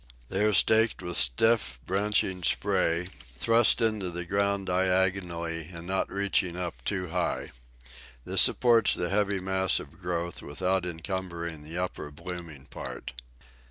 They are staked with stiff, branching spray, thrust into the ground diagonally, and not reaching up too high. This supports the heavy mass of growth without encumbering the upper blooming part.